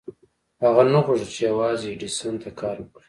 هغه نه غوښتل چې يوازې ايډېسن ته کار وکړي.